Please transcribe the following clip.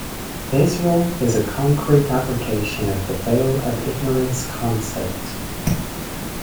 This rule is a concrete application of the veil of ignorance concept.